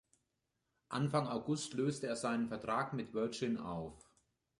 Anfang August löste er seinen Vertrag mit Virgin auf.